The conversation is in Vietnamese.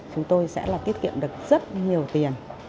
chúng tôi sẽ là tiết kiệm được rất nhiều tiền